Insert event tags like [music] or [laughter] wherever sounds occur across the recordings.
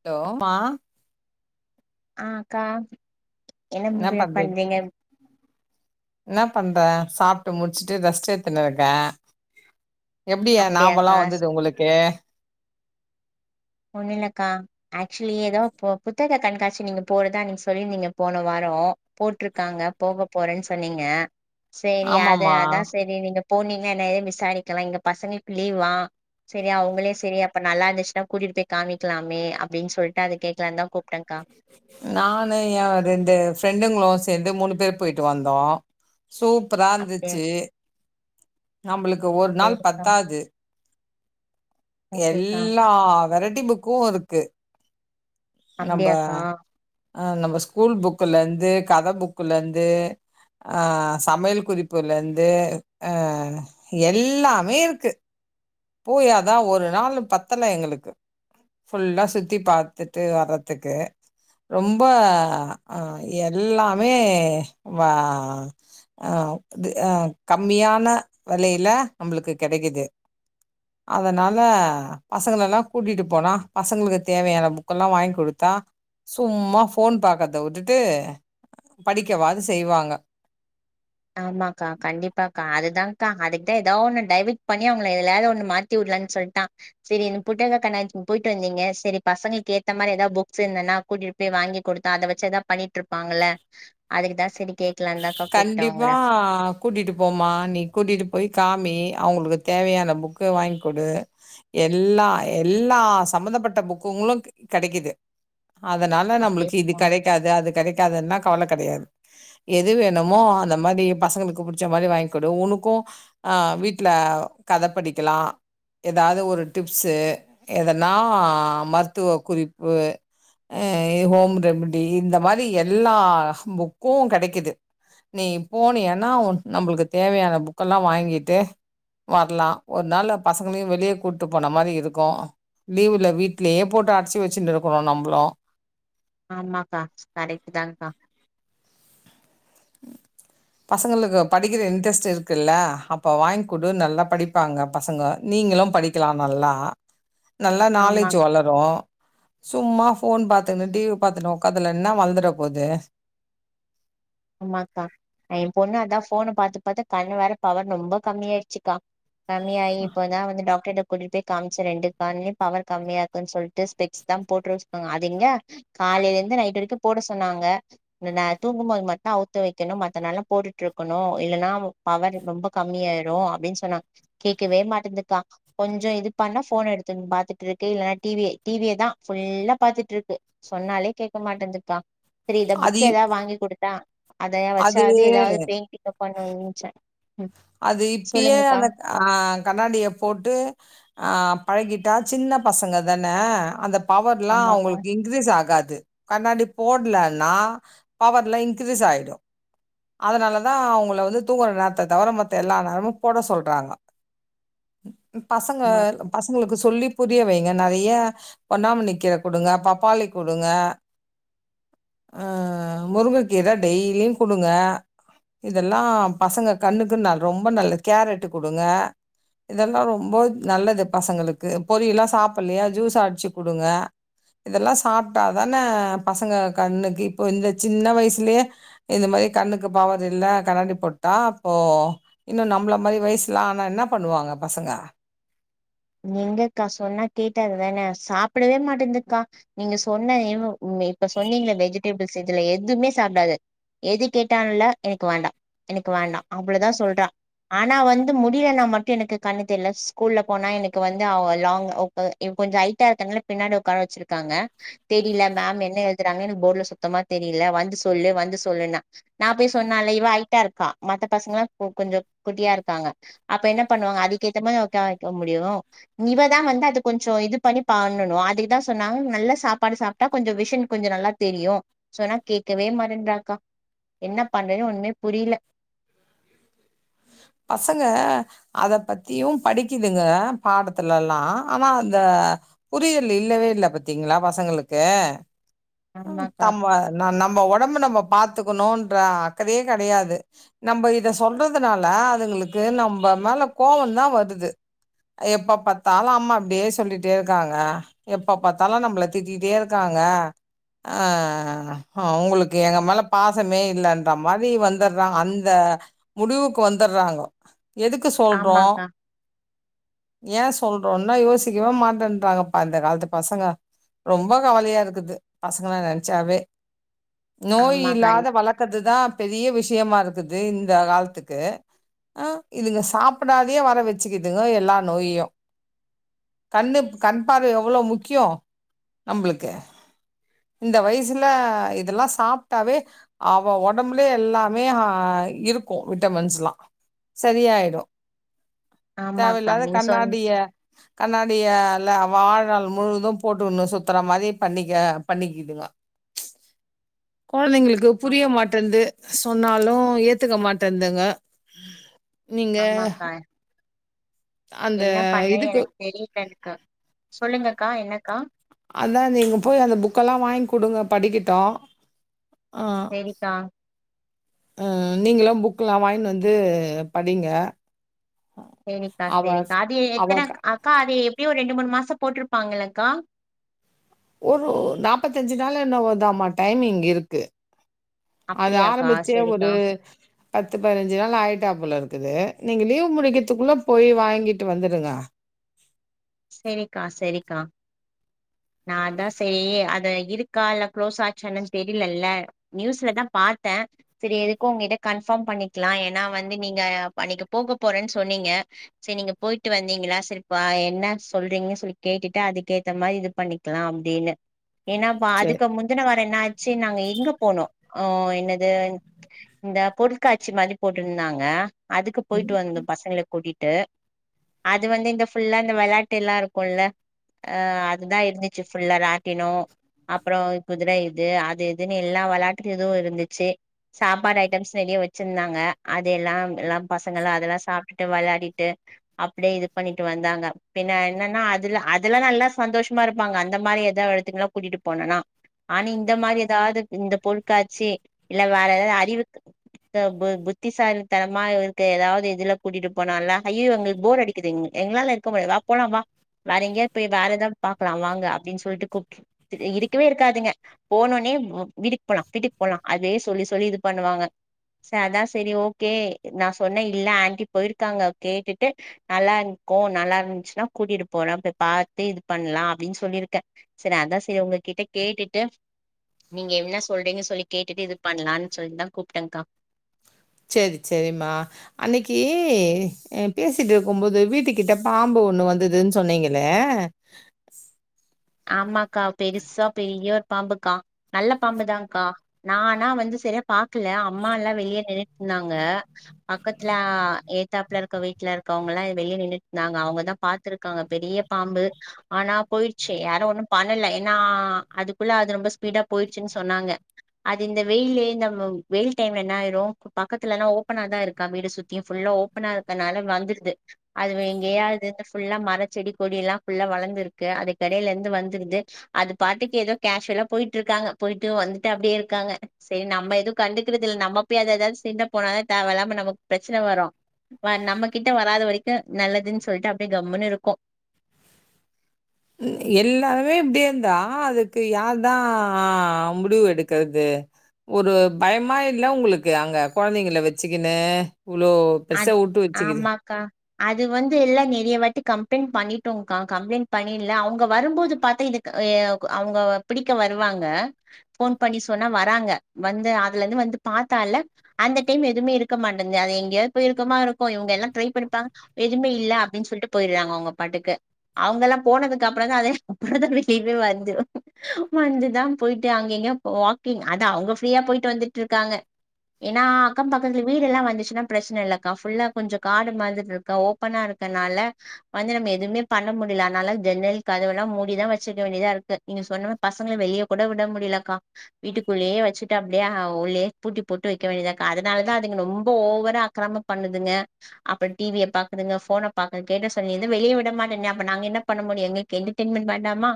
Hello மா. ஆ க்கா. என்ன பண்றீங் என்ன பண்ற? சாப்ட்டு முடிச்சுட்டு ரெஸ்ட் ஏத்துன்னு இருக்க. எப்டி ஏ நாபல்லெ அப்டியாக்கா வந்தது உங்களுக்கு? ஒண்ணு இல்லக்கா, ஆக்சுலி ஏதோ பு புத்தக கண்காட்சி நீங்க போறதா அன்னிக் சொல்லிருந்தீங்க போன வாரோ போட்ருக்காங்க போக போறேன் சொன்னீங்க. சரி, அது ஆமாமா அதா செரி நீங்கப் போனீங்லா என்ன ஏதுனு விசாரிக்கலா, இங்க பசங்கள்க்கு லீவ்வா. செரி அவுங்களே செரி அப்ப நல்லா இருந்துச்சுன்னா. கூட்டிட்டு போய் காமிக்கலாமே அப்டின் சொல்ட்டு அத கேக்கலானுதா கூப் நானு எ ரெண்டு ஃப்ரெண்டுங்களு ரெண்டு மூணு பேரு போயிட்டு வந்தோ சூப்பரா அப்டியா இந்துச்சி நம்புளுக் ஒரு நாள் சேரிக்கா பத்தாது ஓகேக்கா எல்லாவரன் டீம்புக்கு இருக்கு. நம்ப அப்டியாக்கா? அ நம்ம ஸ்கூல் புக்குலேந்து, கத புக்குலேந்து, அ சமையல் குறிப்புலேந்து, அ எல்லாமே இருக்கு. பூயாதா ஒரு நாளு பத்தல எங்களுக்கு, ஃபுல்லா சுத்தி பாத்துட்டு வர்றதுக்கு ரொம்ப அ எல்லாமே வா அ இது அ கம்மியான வெலையில நம்மளுக்கு கெடைக்குது. அதனால பசங்களெல்லா கூட்டிட்டு போனா, பசங்களுக்கு தேவையான புக்கெல்லா வாங்கி கொடுத்தா சும்மா ஃபோன் பாக்கறத வுட்டுட்டு படிக்கவாது செய்வாங்க. ஆமாக்கா, கண்டிப்பாக்கா அதுதான்கா அதுக்குதா ஏதாவொண்ணு டைவட் பண்ணி அவுங்கள எதுலயாது ஒண்ணு மாத்திவுடலானு சொல்ட்டா செரி இந்த புட்டக கண்ணாட்ச் போயிட்டு வந்தீங்க செரி பசங்கள்க்கு ஏத்த மாரி எதாது புக்ஸ் இந்துனா கூட்டிட்டு போய் வாங்கி குடுத்தா அத வச்சு எதாப் பண்ணிட்டு இருப்பாங்கல்ல. அதுக்குதா செரி கே க்லாந்தாக்கா கு கண்டிப்பா கூட்டிட்டு போமா நீ கூட்டிட்டு போய் காமி அவுங்களுக்கு தேவையான புக்கு வாய்ங்க் கொடு எல்லா எல்லா சம்மந்தப்பட்ட புக்குங்களு கெடைக்கிது அதனால அப்டியே நம்மளுக்கு இது கெடைக்காது அது கெடைக்காதுன்னா கவல கெடையாது எ எது வேணுமோ அந்த மாரி பசங்களுக்கு புடிச்ச மாரி வாங்கிக் குடு உனக்கு வீட்டில கத படிக்கலா எதாவது ஒரு டிப்ஸு எதன்னா மருத்துவ குறிப்பு ஆ ஹோம் ரெமிடி இந்த மாரி எல்லா புக்கும் கெடைக்கிது நீ போனியன்னா நம்மளுக்கு தேவையான புக்கெல்லா வாங்கிட்டு வர்லா ஒரு நாள்ள பசங்களையு வெளிய‌ கூட்டு போன மாரி இருக்கு லீவுல வீட்லே போட்டு அடச்சி வெச்சுன்று இருக்குறோ நம்பளு ஆமாக்கா கரெக்ட் தான்கா பசங்களுக்கு படிக்கிற இன்ட்ரெஸ்ட் இருக்குல்ல அப்ப வாய்ங்குடு நல்லா படிப்பாங்க பசங்க நீங்களு படிக்கலா நல்லா நல்லா ஆமா நாலேஜ் வளரு சும்மா போன் பாத்துன்னு டிவி பாத்துணு உக்காதுல என்ன வழ்ந்துட போது ஆமாக்கா நா எ பொண்ண அதா போன பாத்து இப்பபாத்தா கண்ணு வேற பவர் ரொம்ப கம்மியாயிருச்சுக்கா கம்மியாயி இப்பதா வந்து டாக்டர்ட கூட்டிட்டு காம்ச்சு ரெண்டு கண்லையு பவர் கம்மியா இருக்குன் சொல்ட்டு ஸ்பெக்ஸ் தா போட்டுற சொன்னாங்க அது எங்க காலையில இருந்து நைட் வரைக்கு போட சொன்னாங்க நா தூங்கும்போது மட்டு அவ்த் வெக்கணு மத்த நாள்ல்லா போட்டுட்டு இருக்கனு இல்லன்னா பவர் ரொம்ப கம்மியாயிடு அப்படின்னு சொன்னாங்க கேக்கவே மாட்டுதுக்கா கொஞ்ச இது பண்ணா போன்ன எடுத்து பாத்துட்றுக்கு இல்லன்னா டிவி டிவியதா ஃபுல்லா பாத்துட்றுக்கு சொன்னாலே கேக்க மாட்டேன்துப்பா செரி இத அது புக்க ஏதா இப் வாங்கி குடுத்தா அதைய அது வெச்சாது ஏதாவது பெயிண்டிங்க பண்ணனுச்சே அது இப்பியே அந்த அ கண்ணாடிய போட்டு அ பழகிட்டா சின்ன பசங்க தான அந்த பவர்லா ஆமாக்கா அவுங்களுக்கு இன்க்ரீஸ் ஆகாது கண்ணாடி போடலன்னா பவர்ல இன்கிரீஸ் ஆயிடு அதனால தா அவுங்கள வந்து தூங்கற நேரத்த தவர மத்த எல்லா நேரமு போட சொல்றாங்க பசங்க ஆமா பசங்களுக்கு சொல்லிப் புரிய வைங்க நெறைய பொன்னாமண்ணி கீர குடுங்க பப்பாளி குடுங்க அ முருங்கக்கீரை டெய்லியும குடுங்க இதெல்லா பசங்க கண்ணுக்கு ந ரொம்ப நல்லது கேரட்டு குடுங்க இதெல்லா ரொம்ப நல்லது பசங்களுக்கு பொரியல்லா சாப்பிலையா ஜூஸ் அடிச்சு குடுங்க இதெல்லா சாப்டாதான பசங்க கண்ணுக்கு இப்போ இந்த சின்ன வயசுலயே இந்த மாரி கண்ணுக்கு பவர் இல்ல கண்ணடி போட்டா அப்போ இன்னு நம்மள மாரி வயசுலா ஆனா என்ன பண்ணுவாங்க பசங்க எங்கக்கா சொன்னா கேட்டாதான சாப்பிடவே மாட்டேன்துக்கா நீங்க சொன்ன இவ்லோ இப்ப சொன்னீங்கள வெஜிடபிள்ஸ் இதுல எதுமே சாப்டாது எது கேட்டால எனக்கு வேண்டா எனக்கு வேண்டா அவ்ளதா சொல்றா ஆனா வந்து முடியல்னா மட்டு எனக்கு கண்ணு தெரியல ஸ்கூல்ல போனா எனக்கு வந்து அவ லாங் [inaudible] இப்ப கொஞ்ச ஹைட்டா இருக்க நாள பின்னாடி உக்காற வச்சிருக்காங்க தெரில மேம் என்ன எழுதுறாங்க போட்ல சுத்தமா தெரில வந்து சொல்லு வந்து சொல்லு நா போய் சொன்னலே இவ ஹைட்டா இருக்கா மதத்த பசங்களா கொஞ்ச குட்டியா இருப்பாங்க அப்ப என்ன பண்ணுவாங்க அதுக்கேத்தமா உக்காற வக்க முடியு இவ தா வந்து அத கொஞ்சோ இது பண்ணி பண்ணணு அதுக்குதா சொன்னாங்க நல்ல சாப்பாடு சாப்டா கொஞ்ச விஷின் கொஞ்ச நல்லா தெரியு சொன்னா கேக்கவே மட்டன்றாக்கா என்ன பண்றது ஒண்ணுமே புரியில பசங்க அத பத்தியும் படிக்குதுங்க பாடத்துல‌லா ஆனா அந்த புரியல் இல்லவே இல்ல பத்தீங்களா பசங்களுக்கு ஆமாக்கா தம்ம நம்ப ஒடம்பு நம்ம பா கத்துக்கனோன்ற அக்கறே கெடையாது நம்ப இத சொல்றதுனால அதுங்களுக்கு நம்ம மேல கோவதா வருது எப்ப பத்தாலு அம்மா அப்படியே சொல்லிட்டே இருக்காங்க எப்ப பத்தாலு நம்மள திட்டிட்டே இருக்காங்க அ அவுங்களுக்கு எங்க மேல பாசமே இல்லன்ற மாரி வந்துற்றாங்க அந்த முடிவுக்கு வந்துறாங்க எதுக்கு சொல்றோ ஆமாக்கா ஏ சொல்றோனா யோசிக்வே மாட்டேன்றாங்கப்பா இந்த கால்த்து பசங்க ரொம்ப கவலையா இருக்குது பசங்கல நெனச்சாவே நோய் ஆமாக்கா இல்லாத வளக்கதுதா பெரிய விஷ் முக்கியமா இருக்குது இந்த காலத்துக்கு ஆ இதுங்க சாப்டாதே வர வச்சுக்கிதுங்க எல்லா நோயு கண்ணு கண் பார்வை எவ்ளோ முக்கியோ நம்மளுக்கு இந்த வயசுல இதெல்லா சாப்ட்டாவே அவ ஒடம்புல எல்லாமே ஆ இருக்கு விட்டமின்ஸ் எல்லா சரியாய்டு ஆமாக்கா தேவயில்லாத நீங்க சொன் கண்ணாடிய கண்ணாடியல்ல வாழ்நள் முழுவது போட்டுகுணு சுத்துற மாரி பண்ணிக்க பண்ணிக்கிதுங்க கொழந்தைங்களுக்கு புரிய மாட்டேன்து சொன்னாலு ஏத்துக்க மாட்டேந்துங்க நீங்க ஆமாக்கா அந்த என்ன பண்ற இதுக்கு எனக்கு தெரில சொல்லுங்ககா என்னகா அதா நீங்க போய் அந்த புக்கெல்லா வாங்கி குடுங்க படிகட்டோ செரிகா அஹ நீங்களு புக்கெல்லா வாங்கினு வந்து படிங்க செரிக்கா அவ செரிக்கா அது அவ எத்தனை க அக்கா அது எப்டியு ஒரு ரெண்டு மூணு மாசோ போட்டுரு பாங்களகா ஒரு நாப்பத்தி அஞ்சு நாள் என்னவோதாம டைமிங் இருக்கு அது அப்டியாக்கா ஆரபிச்சே ஒரு சரிக்கா பத்து பதினஞ்சி நாள் ஆயிட்டாப்புல இருக் க்குது நீங்க லீவ் முடிக்குறதுக்குள்ள போய் வாங்கிட்டு வந்துடுங்க செரிக்கா செரிக்கா நா அதா செரி அத இருக்கா இல்ல கு்ளோஸ் ஆச்சேன்னு தெரிலல நியூஸ்லதா பாத்த செரி எதுகொ உங்ககிட்ட கன்ஃபாம் பண்ணிகலா ஏன்னா வந்து நீங்க அன்னைக்கி போக போறன்னு சொன்னீங்க செரி நீங்க போயிட்டு வந்தீங்களா செரிப் என்ன சொல்றீங்கன்னு சொல்லி கேட்டுட்டு அதுகேத்த மாரி இது பண்ணிகலா அப்டின்னு ஏனாப்ப சரி அதுக்கு முந்துன வாரோ என்ன ஆச்சு நாங்க எங்க போனோ ஓ என்னது இந்த பொருள்காட்சி மாதிரி போட்டுருந்தாங்க அதுக்கு ம் போயிட்டு வந்தோ பசங்களை கூட்டிட் டு அது வந்து இந்த ஃபுல்லா இந்த வெளாட்டுல்லா இருக்குல ஆ எல்லா இருந்துச்சு ஃபுல்லா ராட்டினோ அப்றோ குதிர இது அது இதுன்னு எல்லா வெளாட்டு இதுவு இருந்துச்சு சாப்பாடு ஐட்டம்ஸ் நெறைய வெச்சிருந்தாங்க அது எல்லாம் எல்லா பசங்களு அதெல்லா சாப்ட்டுட்டு வெளிடிட்டு அப்டியே இது பண்ணிட்டு வந்தாங்க பின்ன என்னன்னா அதுல அதெல்லா நல்லா சந்தோஷ் சும்மா இருப்பாங்க அந்த மாரி ஏதோ எடத்துக்குல கூட்டிட்டு போனன ஆனா இந்த மாரி ஏதாது இந்த பொருக்காட்சி இல்ல வேற எதாது அறிவுக்கு த பு புத்திசாலித்தனமா இருக்க ஏதாவது இதுல கூட்டிட்டு போனால ஐயையோ எங்களுக்கு போர் அடிக்குது எங் எங்களால இருக்க முடிய வா போலா வா வேற எங்கயாவது போய் வேற ஏதாவ பாக்கலா வாங்க அப்டின்னு சொலிட்டு கூப்ட்டு தி இருக்கவே இருக்காதுங்க போனோனே வ் விட்டுக்கு போலா விட்டுக்கு போலா அதே சொல்லி சொல்லி இது பண்ணுவாங்க ச அதா செரி ஓகே நா சொன்ன இல்ல ஆண்டி போயிருகாங்க கேட்டுட்டு நல்லா இருக்கோ நல்லா இருந்துச்சுன்னா கூட்டிட்டு போறே போய் பாத்து இது பண்ணலா அப்டின்னு சொல்லிருக்கே செரி அதா செரி உங்ககிட்ட கேட்டுட்டு நீங்க என்ன சொல்றீங்கன்னு சொல்லி கேட்டுட்டு இது பண்ணலான்னு சொல்லிட்டுதா கூப்டங்கா செரி செரிமா அன்னைகி பேசிட்டு இருக்கும்போது வீட்டு கிட்ட பாம்பு ஒண்ணு வந்துதுன்னு சொன்னீங்களே ஆமாகா பெருசா பெரிய ஒரு பாம்புகா நல்ல பாம்புதாகா நானா வந்து செரியா பாக்கல அம்மா எல்லா வெளியே நின்னுட்டு இருந்தாங்க பக்கத்துல ஏதுத்தாப்புல இருக்குற வீட்டுல இருக்கவங்க எல்லா வெளியே நின்னு நாங்க அவங்கதா பாத்துருக்காங்க பெரிய பாம்பு ஆனா போயிட் செ யாரு ஒன்னு பண்ணல ஏன்னா அதுக்குள்ள அது ரொம்ப ஸ்பீடா போயிர்ச்சுன்னு சொன்னாங்க அது இந்த வெயில்ல இந்த வெயில் டைம் ல என்ன ஆயிரு பக்கத்துலல்லா ஓப்பனாதா இருக்கா வீடு சுத்தியு ஃபுல்லா ஓப்பனா இருக்கனால வந்துடுது அது இங்கேயாவதுந்து ஃபுல்லா மர செடி கொடி எல்லா ஃபுல்லா வளந்துருக்கு அத கடையில இருந்து வந்துடுது அது பாட்டுக்கு ஏதோ கேஷுவலா போயிட்டு இருக்காங்க போயிட்டு வந்துட்டு அப்டியே இருக்காங்க செரி நம்ம ஏதுவு கண்டுக்குறது இல்ல நம்ம போய் அத எதாது சிண்ட போனால த தேவ இல்லாம நமக்கு பிரச்சன வரு வ நம்ம கிட்ட வராத வரைக்கு நல்லதுன்னு சொல்லிட்டு அப்டியே கம்முன்னு இருக்கோ எ எல்லாருமே இப்டியே இருந்தா அதுக்கு யார் தா முடிவு எடுக்குறது ஒரு பயமா இல்ல உங்களுக்கு அங்க கொழந்தைங்கள வெச்சுக்குனு இவ்ளோ பெருசா அத் உட்டு வச்சுக்குது ஆமாக்கா அது வந்து எல்லா நெறைய வாட்டி கம்ப்ளைண்ட் பண்ணிட்டோங்கா கம்ப்ளைண்ட் பண்ணில அவங்க வரும்போது பாத்து இதுக்கு [unintelligible] அவங்க பிடிக்க வருவாங்க ஃபோன் பண்ணி சொன்னா வராங்க வந்து அதுல இருந்து வந்து பாத்தால அந்த டைம் எதுவுமே இருக்க மாட்டன்து அது எங்கயா ப்பாஇருகமா இருக்கொ இவங்க எல்லா ட்ரை பண்ணப்பா எதுவுமே இல்ல அப்டின்னு சொல்லிட்டு போயிறாங்க அவங்க பாட்டுக்கு அவங்கலா போனதுக்கு அப்றோதா அத [unintelligible] வந்துரு வந்துதா போயிட்டு அங்கிங்க வாக்கிங் அது அவங்க ப்ரியா போயிட்டு வந்துட்டு இருக்காங்க ஏன்னா அக்கம் பக்கத்துல வீடு எல்லா வந்துச்சுன்னாச்சினா பிராச் ன்ல்ல கா ஃபுல்லா கொஞ்சோ காடு மாதிரி இருக்க ஓப்பனா இருக்கனால வந்து நம்ம எதுவுமே பண்ண முடியல அதனால ஜன்னல் கதவு எல்லா மூடிதா வச்சிருக்க வேண்டியதா இருக்கு நீங்க சொன்ன பசங்கள வெளிய கூட வுட முடியலக்கா வீட்டுக்குள்ளேயே வெச்சுட்டு அப்டியே உள்ளேயே பூட்டி போட்டு வெக்க வேண்டியதாக்கா அதனாலதா அதுங்க ரொம்ப ஓவரா அக்கிரம பண்ணுதுங்க அப்புற டி வி ய பாக்குதுங்க ஃபோன பாக்குது கேட்ட சொல்லங்க வெளிய விட மாட்டேனே அப்ப நாங்க என்ன பண்ண முடியோ எங்களுக்கு என்டர்டெயின்மெண்ட் வேண்டாமா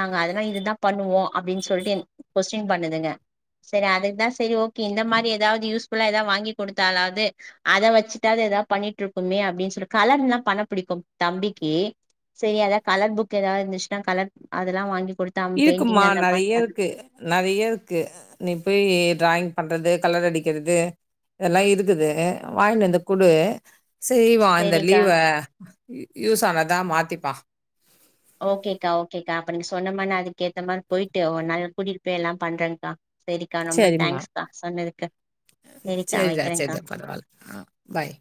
நாங்க அதனால இதுதா பண்ணுவோ அப்டின்னு சொல்லிட்டு எ கொஸ்டின் பண்ணுதுங்க செரி அதுக்குதா செரி ஓகே இந்த மாரி ஏதாவது யூஸ்ஃபுல்லா ஏதாவது வாங்கி குடுத்தாலாவது அத வச்சுட்டாது எதாது பண்ணிட்டு இருக்குமே அப்டின்னு சொல்லி கலரிங்லாம் பண்ண புடிக்கும் தம்பிக்கு செரி அதா கலர் புக் ஏதாது இருந்துச்சுன்னா கலர் அதெல்லாம் வாங்கி குடுத்து அவன் இருக்கும்மா பெயிண்டிங் அந்த மாரி நறைய பண் இருக்கு நறைய இருக்கு நீ போய் டிராயிங் பண்றது கலர் அடிக்கிறது இதெல்லா இருக்குது வாங்கினு வந்து குடு செய்வான் இந்த சரிக்கா லீவ யூ யூஸ் ஆனதா மாத்திப் ப்பா ஓகேக்கா ஓகேக்கா அப்ப நீங்க சொன்ன மார் நா அதுக்கு ஏத்த மார் போய்ட்டு ஒரு நாள் கூட்டிட்டு போய்ல்லா பண்றேன்க்கா செரிங்ம்மா சரிக்கா செர்டா வைக்கிறேங்க்கா செர்டா பரவால்ல ஆஹ் பாய்